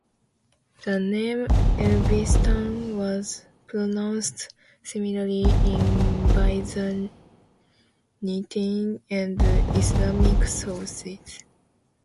The name "Elbistan" was pronounced similarly in Byzantine and Islamic sources.